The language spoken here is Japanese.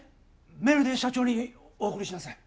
メールで社長にお送りしなさい。